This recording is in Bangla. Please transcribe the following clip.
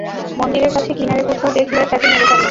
মন্দিরের কাছে- কিনারে কোথাও দেখলে তাকে মেরে ফেল!